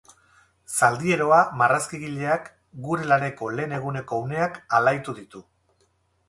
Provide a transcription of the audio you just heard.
Zaldieroa marrazkigileak gure laneko lehen eguneko uneak alaitu ditu.